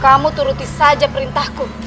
kamu turuti saja perintahku